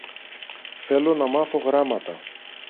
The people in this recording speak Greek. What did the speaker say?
Θέλω να μάθω γράμματα.